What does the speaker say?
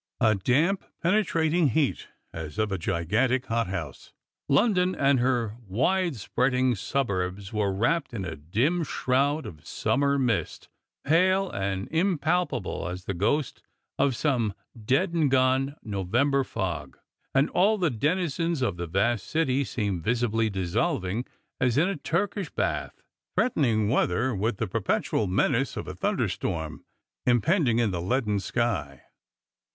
A damp, penetrating heat, as of a gigantic hot house. London and her wide spreading suburbs were wrapped in a dim shroud of summer mist, pale and inipal]iable as the ghost of some dead and gone November fog, and all the denizens of the vast city seemed visibly dissolving, as in a Turkish bath. Threatenirg weather, with the perpetual menace of a thunderstorm impend ing in the leaden sky.